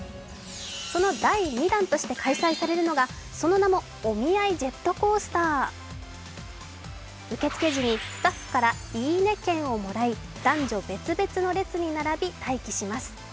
その第２弾として開催されるのが、その名もＯｍｉａｉジェットコースター受付時にスタッフから「いいね！券」をもらい男女別々の列に並び待機します。